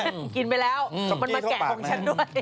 อันนั้นแน่